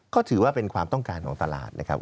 ก็ถือว่าเป็นความต้องการของตลาดนะครับ